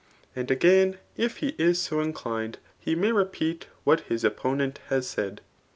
And again, if he is so inclined, he may repeat what his opponent has said.